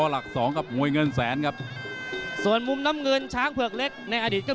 แล้วก็ช่วงนี้ก็